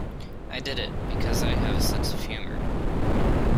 I did it — because I have a sense of humour.